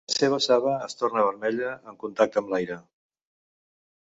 La seva saba es torna vermella en contacte amb l'aire.